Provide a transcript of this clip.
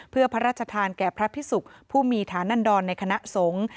เพื่อพระราชทานแก่พระพิสุกผู้มีฐานันดรในคณะสงฆ์